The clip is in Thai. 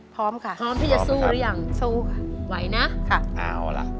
พร้อมค่ะพร้อมที่จะสู้หรือยังสู้ค่ะไหวนะค่ะเอาล่ะ